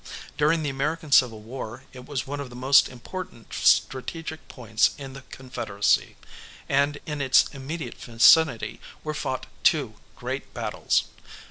During the American Civil War it was one of the most important strategic points in the Confederacy, and in its immediate vicinity were fought two great battles.